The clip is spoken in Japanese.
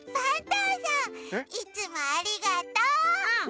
うんいつもありがとう。